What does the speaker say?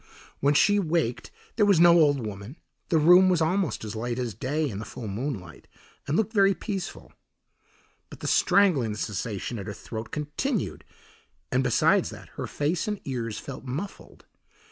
When she waked there was no old woman, the room was almost as light as day in the full moonlight, and looked very peaceful; but the strangling sensation at her throat continued, and besides that, her face and ears felt muffled.